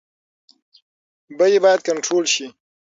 بیې باید کنټرول شي.